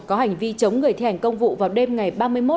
có hành vi chống người thi hành công vụ vào đêm ngày